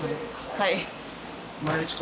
はい。